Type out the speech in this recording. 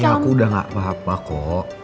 aku udah gak apa apa kok